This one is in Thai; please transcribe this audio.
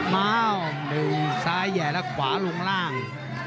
มา้วดึงซ้ายแห่งแล้วขวาลงล่าง